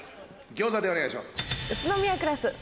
餃子でお願いします。